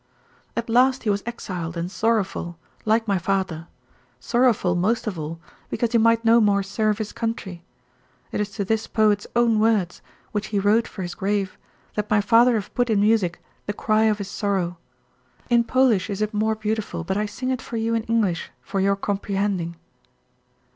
At last he was exiled and sorrowful, like my father, sorrowful most of all because he might no more serve his country. It is to this poet's own words which he wrote for his grave that my father have put in music the cry of his sorrow. In Polish is it more beautiful, but I sing it for you in English for your comprehending."